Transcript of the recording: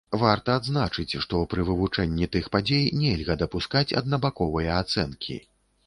Варта адзначыць, што пры вывучэнні тых падзей нельга дапускаць аднабаковыя ацэнкі.